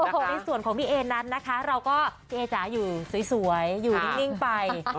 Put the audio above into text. เออส่วนของพี่เอ๊นนะคะพี่เอ๊จะอยู่สวยอยู่นิ่งไป